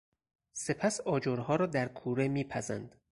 سپس آجرها را در کوره می پزند.